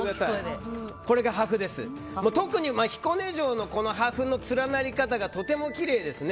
特に、彦根城の破風の連なり方がとてもきれいですね。